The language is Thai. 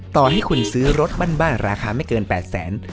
ต่อให้คุณซื้อรถบ้านราคาไม่เกิน๘แสน